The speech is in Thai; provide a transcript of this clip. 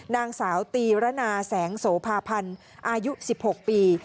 นางสาวตีระนาแสงโสภาพันธ์อายุ๑๖ปี